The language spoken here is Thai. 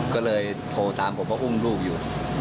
ก็เลยโทรตามผมก็อุ้มลูกอยู่